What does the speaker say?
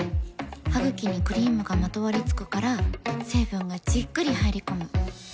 ハグキにクリームがまとわりつくから成分がじっくり入り込む。